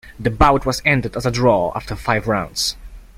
The bout was ended as a draw after five rounds.